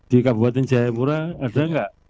di kabupaten jaipura ada gak